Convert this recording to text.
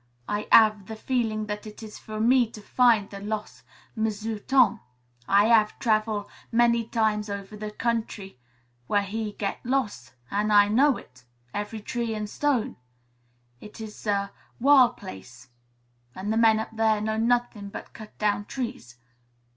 "I hav' the feeling that it is for me to find the los' M'sieu' Tom. I hav' travel many times over the country w'ere he get los' an' I know it, every tree an' stone. It is a wil' place, an' the men up there know not'ing but cut down trees.